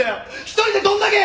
１人でどんだけ！